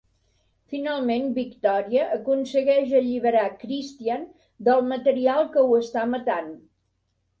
Finalment Victòria aconsegueix alliberar Christian del material que ho està matant.